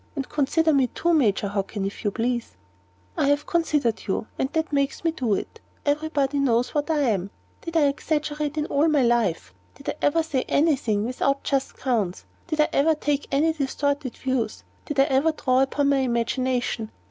And consider me too, Major Hockin, if you please." "I have considered you, and that makes me do it. Every body knows what I am. Did I ever exaggerate in all my life? Did I ever say any thing without just grounds? Did I ever take any distorted views? Did I ever draw upon my imagination?